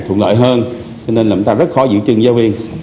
thuận lợi hơn cho nên là chúng ta rất khó giữ chân giáo viên